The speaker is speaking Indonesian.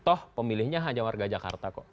toh pemilihnya hanya warga jakarta kok